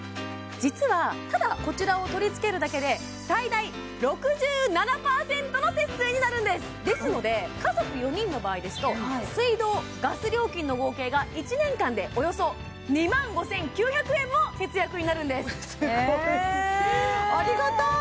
実はただこちらを取り付けるだけでになるんですですので家族４人の場合ですと水道ガス料金の合計が１年間でおよそ２万５９００円も節約になるんですすごいありがたい！